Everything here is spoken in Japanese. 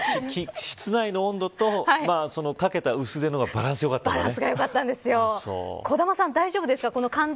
室内の温度と、かけた薄手のバランスがよかったんですね。